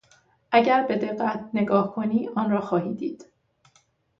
اگر به دقت نگاه کنی آنرا خواهی دید.